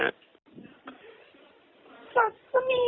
สัตว์ก็มี